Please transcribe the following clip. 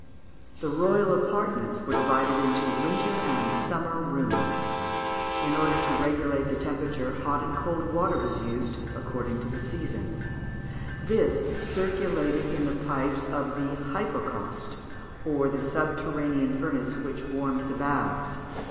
The royal apartments were divided into winter and summer rooms. In order to regulate the temperature hot or cold water was used, according to the season; this circulated in the pipes of the hypocauste, or the subterranean furnace which warmed the baths.